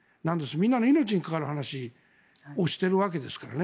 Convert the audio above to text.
みんなの命に関わる話をしてるわけですからね。